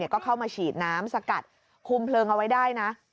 ก็เข้ามาฉีดน้ำสกัดคุมเพลิงเอาไว้ได้นะ